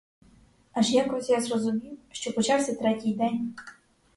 Аж якось я зрозумів, що почався третій день.